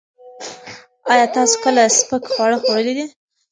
ایا تاسو کله سپک خواړه خوړلي دي؟